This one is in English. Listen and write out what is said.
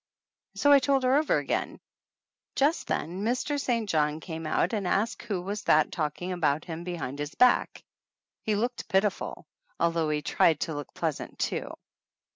and so I told her over again. Just then Mr. St. John came out and asked who was that talking about him behind his back. He looked pitiful, although he tried to look pleas ant, too.